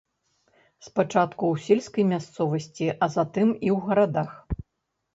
Спачатку ў сельскай мясцовасці, а затым і ў гарадах.